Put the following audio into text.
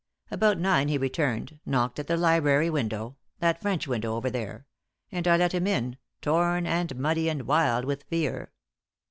About nine he returned, knocked at the library window that French window over there and I let him in, torn and muddy and wild with fear!